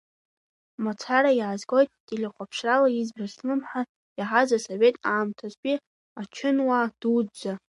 Мацара, иаазгоит телехәаԥшрала избаз, слымҳа иаҳаз, Асовет аамҭазтәи ачынуаа дуӡӡа…